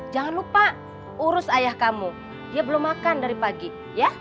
jangan lupa urus ayah kamu dia belum makan dari pagi ya